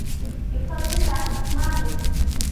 من فضلك, إسمعني!